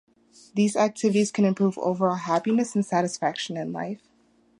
These activities can improve overall happiness and satisfaction in life.